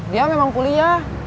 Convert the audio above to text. dia memang kuliah